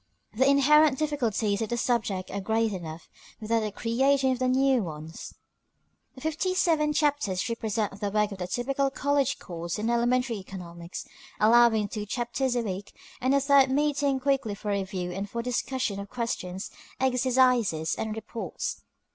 The inherent difficulties of the subject are great enough, without the creation of new ones. The fifty seven chapters represent the work of the typical college course in elementary economics, allowing two chapters a week, and a third meeting weekly for review and for the discussion of questions, exercises, and reports.